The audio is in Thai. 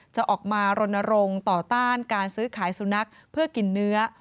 จะออกมารณรงค์ต่อต้านการซื้อขายสุนัขเพื่อกินเนื้อ